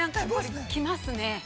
きますね。